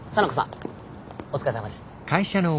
お疲れさまです。